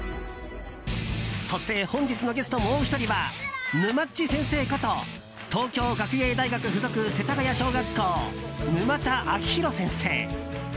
そして、本日のゲストもう１人は、ぬまっち先生こと東京学芸大学付属世田谷小学校沼田晶弘先生。